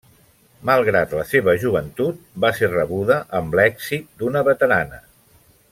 Malgrat la seva joventut, va ser rebuda amb l'èxit d'una veterana.